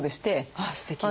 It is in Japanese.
あすてき。